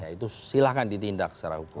itu silahkan ditindak secara hukum